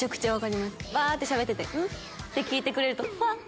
わってしゃべっててん？って聞いてくれるとうわっ！